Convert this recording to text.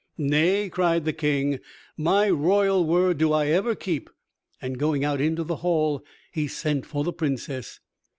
"Nay," cried the King, "my royal word do I ever keep," and going out into the hall he sent for the Princess.